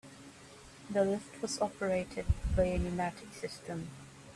The lift was operated by a pneumatic system.